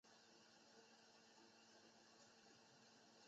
其子王震绪也是一名小说家。